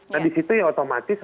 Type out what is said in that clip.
nah disitu ya otomatis